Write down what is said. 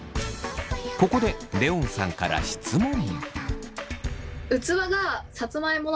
ここでレオンさんから質問。